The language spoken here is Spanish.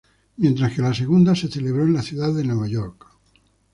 Mientras que la segunda se celebró en la ciudad de Nueva York.